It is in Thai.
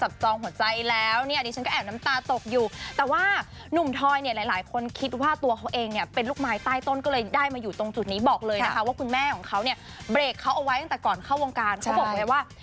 ก่อนเข้าวงการเขาบอกไว้ว่า